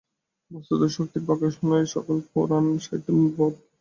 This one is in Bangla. বস্তুত শক্তির প্রকাশনাই সকল পুরাণ-সাহিত্যের মূল ভাব।